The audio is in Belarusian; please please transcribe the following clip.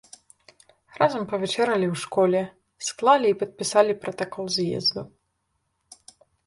Разам павячэралі ў школе, склалі і падпісалі пратакол з'езду.